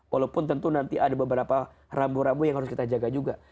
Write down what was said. walaupun tentu nanti ada beberapa rambu rambu yang harus kita jaga juga